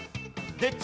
でっち。